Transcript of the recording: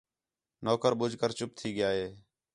نوکر ٻُجھ کر چُپ تھی ڳِیا ہے